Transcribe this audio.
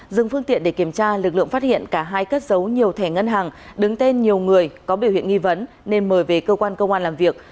dừng phương tiện để kiểm tra lực lượng phát hiện cả hai cất giấu nhiều thẻ ngân hàng đứng tên nhiều người có biểu hiện nghi vấn nên mời về cơ quan công an làm việc